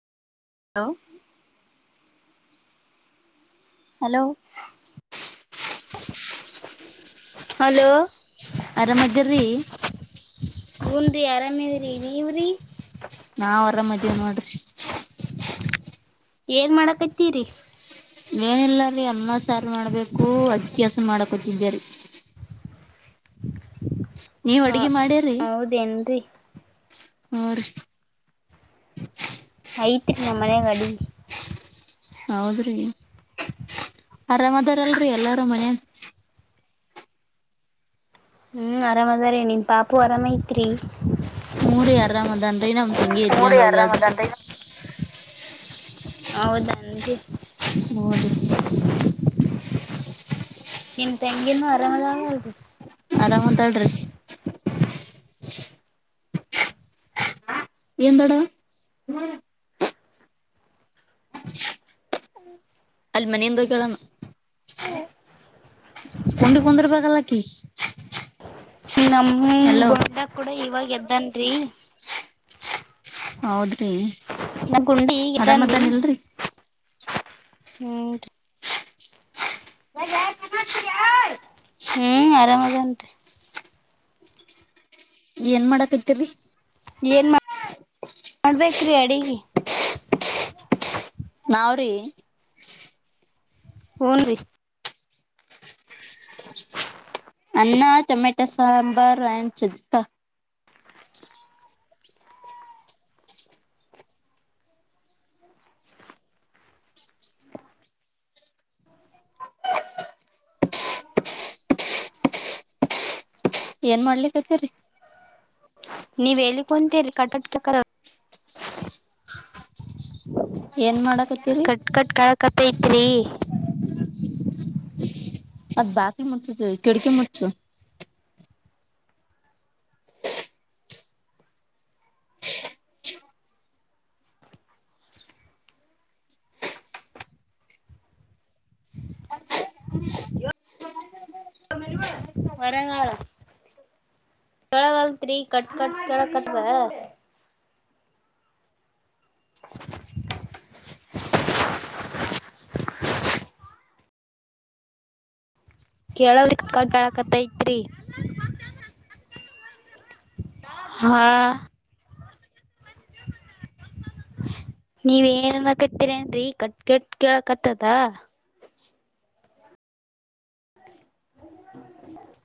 Hello hello hello ಆರಾಮ ಅದರ್ರಿ ಉಂದಿ ಆರಾಮೇವ್ರಿ ನೀವ್ರಿ ನಾವ್ ಅವರ ಮದ್ವ ನೋಡ್ರಿ ಏನ್ ಮಾಡಕತ್ತೀರಿ ಏನಿಲ್ಲ ರೀ ಅನ್ನ ಸಾರು ಮಾಡ್ಬೇಕು ಅದ ಕೆಸ ಮಾಡಕೊತಿದೇರಿೀ ನೀವ್ ಹ ಅಡ್ಗೆ ಮಾಡ್ಯರಿ ಹೌದೇನ್ರಿ ಹಾ ರಿ ಐತ್ರಿ ನಮ್ಮ ಮನಯಾಗ ಅಡಿ ಹೌದ್ರಿ ಆರಾಮದಾರಲ್ರಿ ಎಲ್ಲಾರೂ ಮನಯ ಹ್ಮ್ ಆರಾಮ್ ಅದಾರ ನಿನ್ ಪಾಪು ಅರಾಮೈಐತ್ರಿ ಊರಿ ಅರಾಮ್ ಅದೇನ್ರೀ ನಮ್ ತಂಗಿ ಎತ್ಕೊಂಡ್ ಹೋಗಾಡ್ರಿ ಅದ ಹೌದನ್ರಿ ಹೌದು ನಿಮ್ ತೆಂಗಿನು ಆರಾಮದಾ ಅಲ್ರಿ ಆರಾಮ್ ಅದಳ್ರಿ ಎಂದಡ ಅಲ್ಲಿ ಮನೆಯಿಂದ ಕೇಳಣ ಕೊಂಡಿ ಕುಂದಿರ್ ಬಲ್ಲಕಿ ನಮ್ಮ ಹಲೋ ಕೂಡ ಇವಾಗ ಎದ್ದನ್ರಿ ಹೌದ್ರಿ ನ ಗುಂಡಿ ಇದ್ದ. ಆರಾಮದಾನ ಇಲ್ರಿ ಹ್ಮ್- [inaudible] ಹ್ಮ್ ಆರಾಮದೇನ್ ರರಿ. ಏನ್ ಮಾಡಕ್ ಇರ್ತಿರಿ. ಏನ್ ಮಾಡ ಮಾಡ್ಬೇಕ್ರಿ ಅಡಿಗೆ. ನಾವ್ರೀ. ಹ್ನ್ರಿ- ಅನ್ನ ಟೊಮ್ಯಾಟೊ ಸಾಂಬಾರ್ ಆಂಡ್ ಚಜ್ಕ. [inaudible] ಏನ್ ಮಾಡ್ಲಿಕ್ತಿರಿ. ನೀ ವೇಳ್ಳಿಕೊಂತೆರಿ ಕಟಡಕ ಕ. ಏನ್ ಮಾಡಕ. ಕಟ್ ಕಟ್ ಕಕತ್ತ ಐತ್ರಿ. ಅದ್ ಬಾಕಲಿ ಮುಚ ಕಿಡಕಿ ಮುಚ್ಚು. [inaudible] [inaudible] [inaudible] ಕೆಳವಲ್ ತ್ರೀ ಕಟ್ ಕಟ್ ಕೆಳಕಟ್ುವ. [inaudible] [unintelligible] ಕೇಳೋದಕ್ಕೆ ಕಟಾಡಕತ್ತೈತ್ರಿ. ಹಾ- [unintelligible] ನೀವ ಏನನ್ಕತ್ತೀರೇನ್ರರಿ ಕಟ್ ಕಟ್ ಕೇಳಕತ್ತದ. ಹ್ಮ-